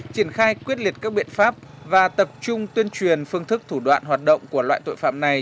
triển khai quyết liệt các biện pháp và tập trung tuyên truyền phương thức thủ đoạn hoạt động của loại tội phạm này